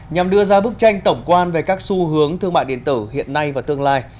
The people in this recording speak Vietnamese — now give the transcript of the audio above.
nhằm đưa ra bức tranh tổng quan về các xu hướng thương mại điện tử hiện nay và tương lai